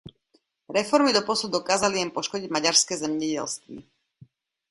Reformy doposud dokázaly jen poškodit maďarské zemědělství.